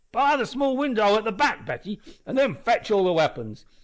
Bar the small window at the back, Betty, an' then fetch all the weapons.